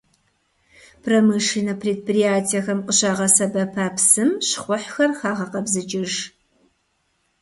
Промышленнэ предприятэхэм къыщагъэсэбэпа псым щхъухьхэр хагъэкъэбзыкӀыж.